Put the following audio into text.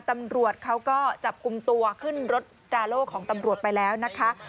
ตำรวจเขาก็จับกลุ่มตัวขึ้นรถดราโล่ของตำรวจไปแล้วนะคะ